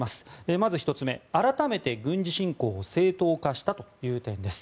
まず１つ目、改めて軍事侵攻を正当化したという点です。